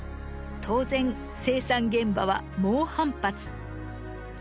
当然生産現場は猛反発。